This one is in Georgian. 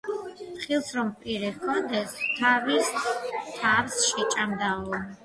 ხილს რომ პირი ჰქონდეს, თავის თავს შეჭამდაო.